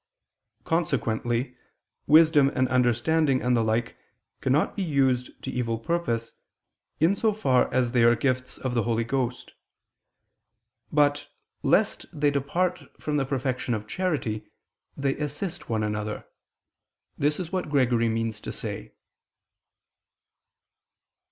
Consequently wisdom and understanding and the like cannot be used to evil purpose, in so far as they are gifts of the Holy Ghost. But, lest they depart from the perfection of charity, they assist one another. This is what Gregory means to say.